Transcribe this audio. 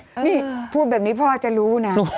นี่พูดแบบนี้พ่อจะรู้นะ